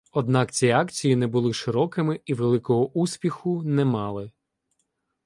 Однак ці акції не були широкими і великого успіху не мали.